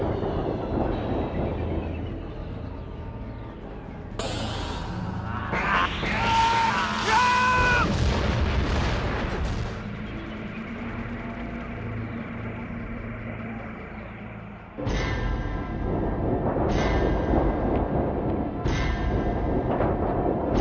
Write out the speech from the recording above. kenapa kamu sampai sini pak